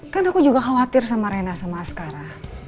kan aku juga khawatir sama rena sama askara